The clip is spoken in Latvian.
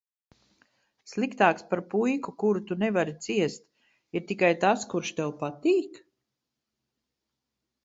Sliktāks par puiku, kuru tu nevari ciest, ir tikai tas, kurš tev patīk?